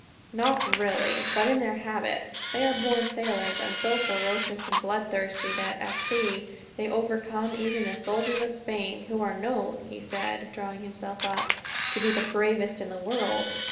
"Not really; but in their habits. They are born sailors, and are so ferocious and bloodthirsty that, at sea, they overcome even the soldiers of Spain; who are known," he said, drawing himself up, "to be the bravest in the world.